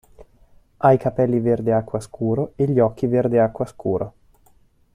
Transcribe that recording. Ha i capelli verde acqua scuro e gli occhi verde acqua scuro.